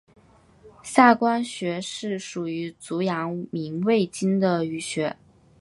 下关穴是属于足阳明胃经的腧穴。